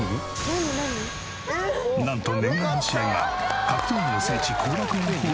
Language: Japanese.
なんと念願の試合が格闘技の聖地後楽園ホールで開催決定！